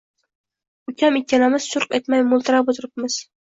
Ukam ikkalamiz churq etmay mo‘ltirab o‘tiribmiz.